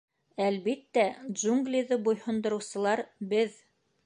— Әлбиттә, джунглиҙы буйһондороусылар — беҙ!